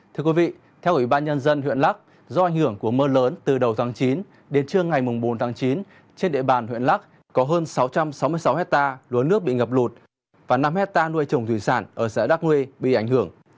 thưa quý vị theo ủy ban nhân dân huyện lắc do ảnh hưởng của mưa lớn từ đầu tháng chín đến trưa ngày bốn tháng chín trên địa bàn huyện lắc có hơn sáu trăm sáu mươi sáu hectare lúa nước bị ngập lụt và năm hectare nuôi trồng thủy sản ở xã đắk nguyên bị ảnh hưởng